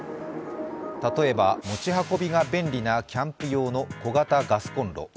例えば持ち運びが便利なキャンプ用の小型ガスコンロ。